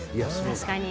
確かに。